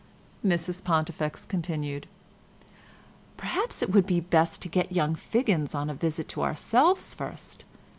Mrs Pontifex continued— "Perhaps it would be best to get young Figgins on a visit to ourselves first.